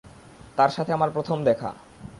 তার সাথে আমার প্রথম দেখা।